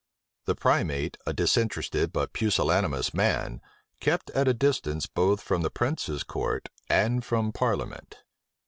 The primate, a disinterested but pusillanimous man, kept at a distance both from the prince's court and from parliament.